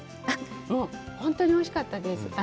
もう本当においしかったです。